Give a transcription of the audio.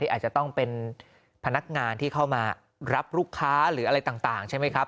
อาจจะต้องเป็นพนักงานที่เข้ามารับลูกค้าหรืออะไรต่างใช่ไหมครับ